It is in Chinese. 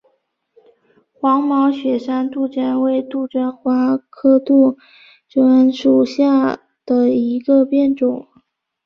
黄毛雪山杜鹃为杜鹃花科杜鹃属下的一个变种。